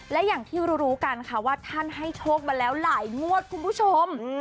และอย่างที่รู้กันค่ะว่าท่านให้โชคมาแล้วหลายงวดคุณผู้ชม